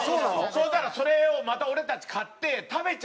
そしたらそれをまた俺たち買って食べちゃうから。